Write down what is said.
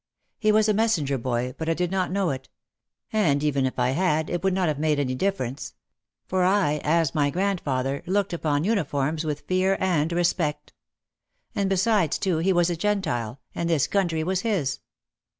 He was a messenger boy but I did not know it. And even if I had it would not have made any difference. For I, as my grandfather, looked upon uni forms with fear and respect. And beside too, he was a Gentile and "this country was his."